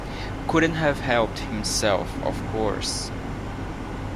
Couldn't have helped himself, of course.